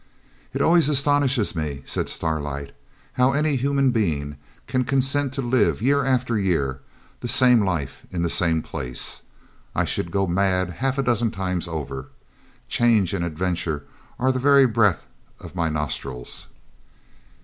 'It always astonishes me,' said Starlight, 'how any human being can consent to live, year after year, the same life in the same place. I should go mad half a dozen times over. Change and adventure are the very breath of my nostrils.'